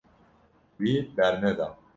Wî berneda.